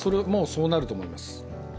そうなると思います。